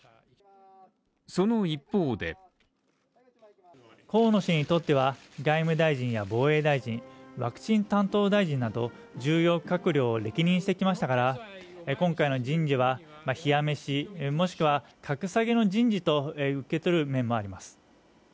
その一方で河野氏にとっては、外務大臣や防衛大臣ワクチン担当大臣など、重要閣僚を歴任してきましたから今回の人事は冷や飯もしくは、格下げの人事と受け取る面もあります。